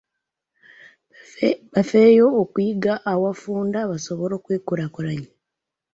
Bafeeyo okuyiga okulimira awafunda basobole okwekulaakulanya .